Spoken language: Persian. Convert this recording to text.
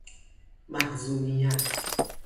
محزونیت